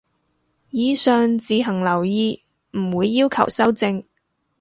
以上自行留意，唔會要求修正